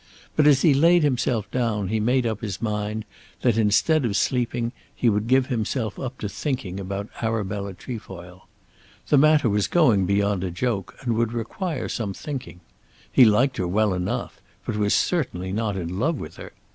But as he laid himself down he made up his mind that, instead of sleeping, he would give himself up to thinking about Arabella Trefoil. The matter was going beyond a joke, and would require some thinking. He liked her well enough, but was certainly not in love with her.